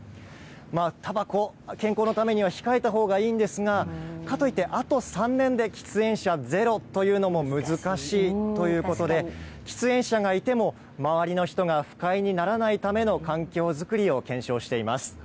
たばこ、健康のためには控えたほうがいいんですが、かといって、あと３年で喫煙者ゼロというのも難しいということで、喫煙者がいても、周りの人が不快にならないための環境作りを検証しています。